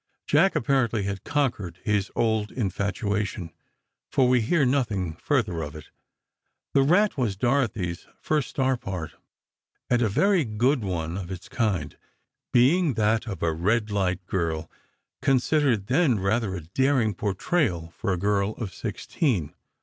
Jack, apparently, had conquered his old infatuation, for we hear nothing further of it. "The Rat" was Dorothy's first star part, and a very good one of its kind, being that of a red light girl, considered then rather a daring portrayal for a girl of sixteen.